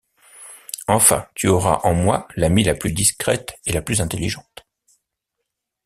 Enfin, tu auras en moi l’amie la plus discrète et la plus intelligente.